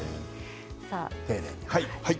丁寧に。